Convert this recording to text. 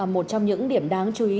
một trong những điểm đáng chú ý